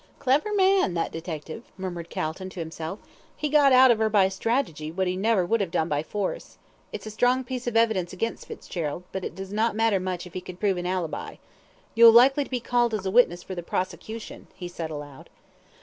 "Clever man, that detective," murmured Calton to himself. "He got out of her by strategy what he never would have done by force. It's a strong piece of evidence against Fitzgerald, but it does not matter much if he can prove an ALIBI. You'll likely be called as a witness for the prosecution," he said aloud.